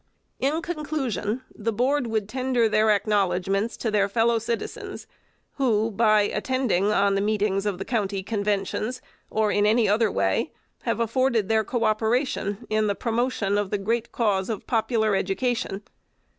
In conclusion, the Board would tender their ac knowledgments to their fellow citizens, who, by attending on the meetings of the county conventions, or in any other way, have afforded their co operation in the pro 382 FIRST ANNUAL REPORT motion of the great cause of popular education.